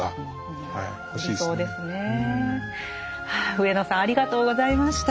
上野さんありがとうございました。